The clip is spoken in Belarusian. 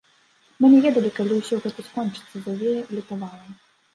Мы не ведалі, калі ўсё гэта скончыцца, завея лютавала.